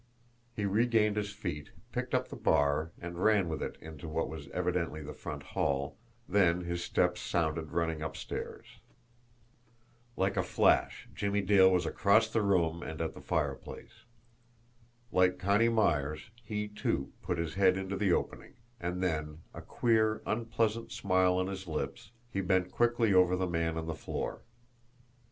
He regained his feet, picked up the bar, and ran with it into what was evidently the front hall then his steps sounded running upstairs. Like a flash, Jimmie Dale was across the room and at the fireplace. Like Connie Myers, he, too, put his head into the opening; and then, a queer, unpleasant smile on his lips, he bent quickly over the man on the floor.